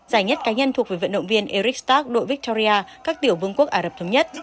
giải nhất cá nhân thuộc về vận động viên eric stark đội victoria các tiểu vương quốc ả rập thống nhất